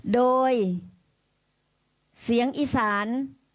โดยเสียงอีสาน